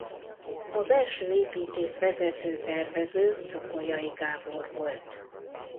A belsőépítész vezető tervező Szokolyai Gábor volt.